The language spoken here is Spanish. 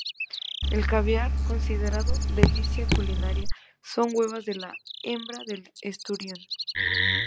El caviar, considerado delicia culinaria, son huevas de la hembra del esturión.